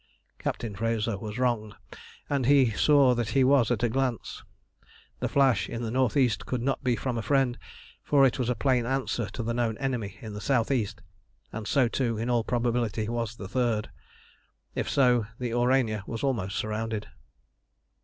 Captain Frazer was wrong, and he saw that he was at a glance. The flash in the north east could not be from a friend, for it was a plain answer to the known enemy in the south east, and so too in all probability was the third. If so, the Aurania was almost surrounded.